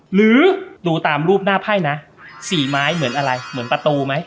หรือดูตามรูปหน้าไพ่นะ๔ไม้เหมือนอะไรเหมือนประตูไหม